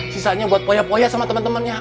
sisanya buat poya poya sama temen temennya